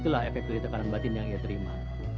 itulah efek tukar batin yang ia terima